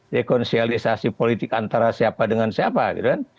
dekonsialisasi politik antara siapa dengan siapa gitu kan